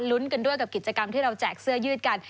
ลุ้นกันด้วยกับกิจกรรมที่เราแจกเสื้อยืดกัน